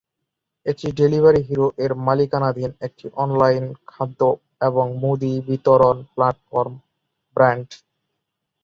এটি Delivery Hero এর মালিকানাধীন একটি অনলাইন খাদ্য এবং মুদি বিতরণ প্ল্যাটফর্ম ব্র্যান্ড।